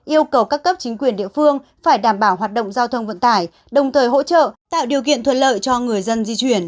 yêu cầu các cấp chính quyền địa phương phải đảm bảo hoạt động giao thông vận tải đồng thời hỗ trợ tạo điều kiện thuận lợi cho người dân di chuyển